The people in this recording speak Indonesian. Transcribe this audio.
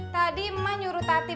tadi emak nyuruh tati